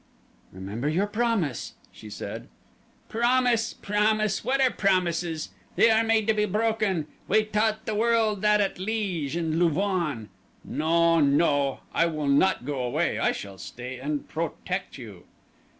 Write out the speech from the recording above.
"Remember your promise," she said. "Promise! Promise! What are promises? They are made to be broken we taught the world that at Liege and Louvain. No, no! I will not go away. I shall stay and protect you."